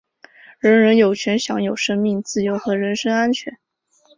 人人有权享有生命、自由和人身安全。